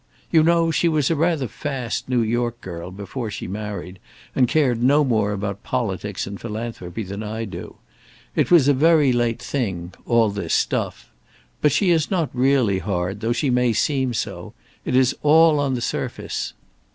You know she was a rather fast New York girl before she married, and cared no more about politics and philanthropy than I do. It was a very late thing, all this stuff. But she is not really hard, though she may seem so. It is all on the surface.